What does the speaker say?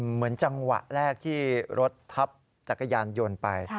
เหมือนจังหวะแรกที่รถทับจักรยานยนต์ไป